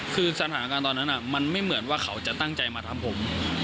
คือสถานการณ์ตอนนั้นมันไม่เหมือนว่าเขาจะตั้งใจมาทำผม